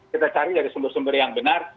kita cari dari sumber sumber yang benar